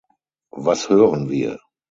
Was hören wir?